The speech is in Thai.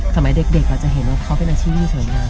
สมัยเด็กเราจะเห็นว่าเขาเป็นอาชีพที่สวยงาม